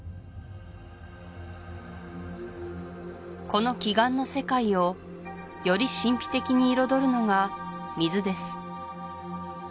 この奇岩の世界をより神秘的に彩るのが水です